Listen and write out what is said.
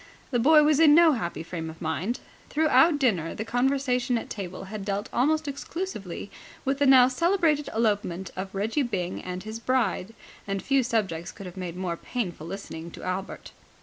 The boy was in no happy frame of mind. Throughout dinner the conversation at table had dealt almost exclusively with the now celebrated elopement of Reggie Byng and his bride, and few subjects could have made more painful listening to Albert.